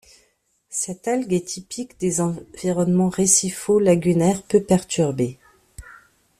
Cette algue est typique des environnements récifaux lagunaires peu perturbés.